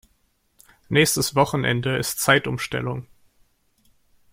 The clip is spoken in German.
Nächstes Wochenende ist Zeitumstellung.